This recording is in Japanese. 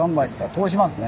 通しますね。